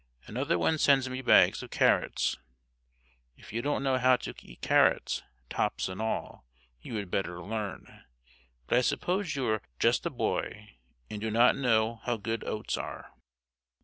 Another one sends me bags of carrots. If you don't know how to eat carrots, tops and all, you had better learn, but I suppose you are just a boy, and do not know how good oats are.